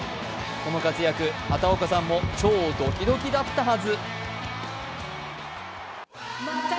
この活躍、畑岡さんも超ドキドキだったはず。